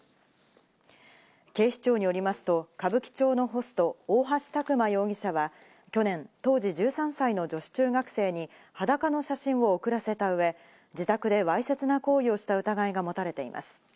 警視庁によりますと、歌舞伎町のホスト大橋卓馬容疑者は、去年、当時１３歳の女子中学生に裸の写真を送らせた上、自宅でわいせつな行為をした疑いが持たれています。